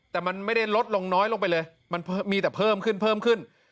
แต่มันไม่ได้ลดลงน้อยลงไปเลยมันมีแต่เพิ่มขึ้นเพิ่มขึ้น